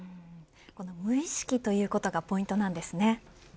この無意識ということがポイントなんですね。